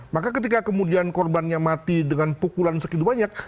maka ketika kemudian korbannya mati dengan pukulan sekidu banyak